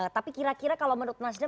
tapi kira kira kalau menurut nasdem